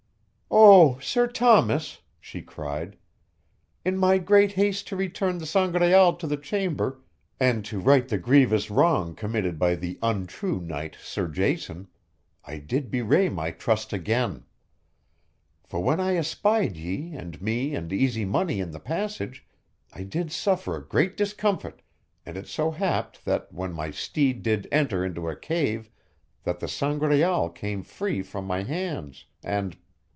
"Oh, Sir Thomas!" she cried. "In my great haste to return the Sangraal to the chamber and to right the grievous wrong committed by the untrue knight Sir Jason, I did bewray my trust again. For when I espied ye and me and Easy Money in the passage I did suffer a great discomfit, and it so happed that when my steed did enter into a cave that the Sangraal came free from my hands and